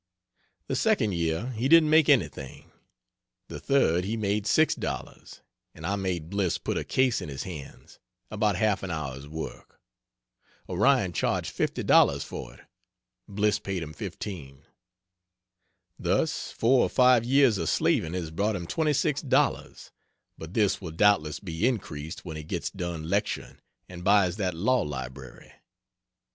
The second year, he didn't make anything. The third he made $6, and I made Bliss put a case in his hands about half an hour's work. Orion charged $50 for it Bliss paid him $15. Thus four or five years of slaving has brought him $26, but this will doubtless be increased when he gets done lecturing and buys that "law library."